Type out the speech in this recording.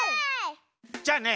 じゃあね